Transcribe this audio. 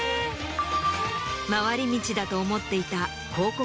回り道だと思っていた。